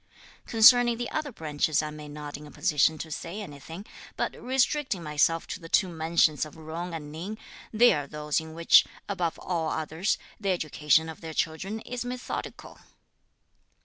Concerning the other branches, I am not in a position to say anything; but restricting myself to the two mansions of Jung and Ning, they are those in which, above all others, the education of their children is methodical."